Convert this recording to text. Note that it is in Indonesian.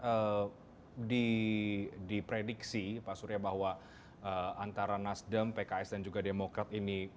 bahwa kemudian di prediksi pak surya bahwa antara nasdem pks dan juga demokrat ini